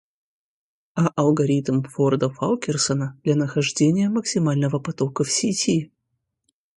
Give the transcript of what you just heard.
А алгоритм Форда-Фалкерсона для нахождения максимального потока в сети.